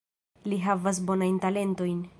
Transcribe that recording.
Li havas bonajn talentojn.